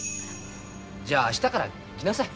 じゃあ明日から来なさい。